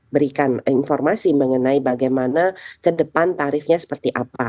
berikan informasi mengenai bagaimana ke depan tarifnya seperti apa